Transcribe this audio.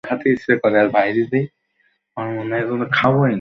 শিক্ষকেরা পাঠদানের প্রয়োজনে অথবা নিজের প্রয়োজনে শেলফ থেকে খুঁজে নিচ্ছেন জরুরি বইটি।